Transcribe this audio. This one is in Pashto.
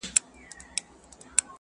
چي خپل خوب ته مي تعبیر جوړ کړ ته نه وې؛